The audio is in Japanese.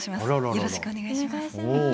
よろしくお願いします。